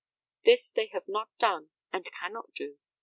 This they have not done and cannot do.